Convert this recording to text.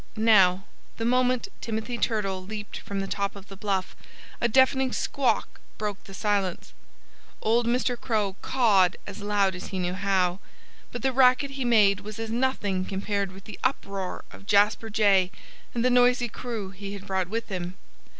Now, the moment Timothy Turtle leaped from the top of the bluff a deafening squawk broke the silence. Old Mr. Crow cawed as loud as he knew how. But the racket he made was as nothing compared with the uproar of Jasper Jay and the noisy crew he had brought with him.